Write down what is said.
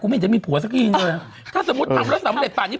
ไม่เห็นจะมีผัวสักทีเลยถ้าสมมุติทำแล้วสำเร็จป่านนี้